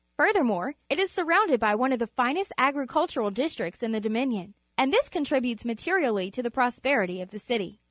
Furthermore, it is surrounded by one of the finest agricultural districts in the Dominion, and tliis contributes materiallj'' to the prosperity of the city.